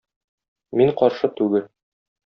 Мин каршы түгел.